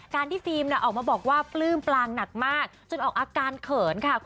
ที่ฟิล์มออกมาบอกว่าปลื้มปลางหนักมากจนออกอาการเขินค่ะ